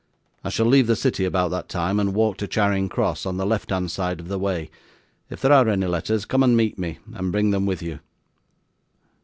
I shall leave the city about that time and walk to Charing Cross on the left hand side of the way; if there are any letters, come and meet me, and bring them with you.